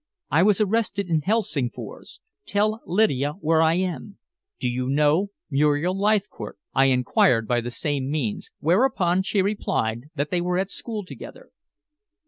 I was arrested in Helsingfors. Tell Lydia where I am." "Do you know Muriel Leithcourt?" I inquired by the same means, whereupon she replied that they were at school together.